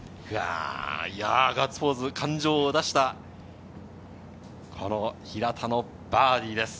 ガッツポーズ、感情を出した平田のバーディーです。